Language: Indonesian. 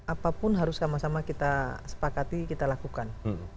apapun harus sama sama kita sepakati kita lakukan